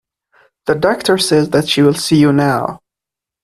The doctor says that she will see you now.